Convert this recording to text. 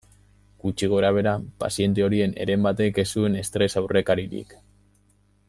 Gutxi gorabehera, paziente horien heren batek ez zuen estres aurrekaririk.